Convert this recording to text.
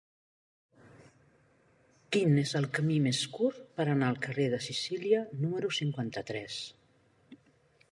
Quin és el camí més curt per anar al carrer de Sicília número cinquanta-tres?